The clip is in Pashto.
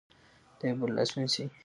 د یو بل لاس ونیسئ.